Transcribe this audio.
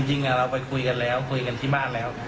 จริงเราไปคุยกันแล้วคุยกันที่บ้านแล้ว